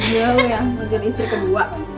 iya lu yang mau jadi istri kedua